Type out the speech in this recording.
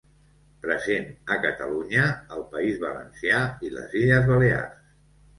Present a Catalunya, el País Valencià i les Illes Balears.